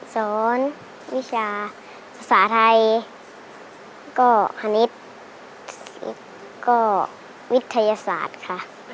สอนวิชาศาสตร์ไทยก็วิทยาศาสตร์ค่ะ